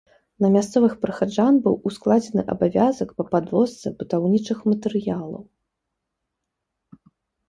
На мясцовых прыхаджан быў ускладзены абавязак па падвозцы будаўнічых матэрыялаў.